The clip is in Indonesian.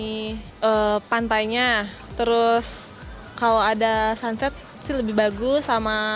jadi pantainya terus kalau ada sunset sih lebih bagus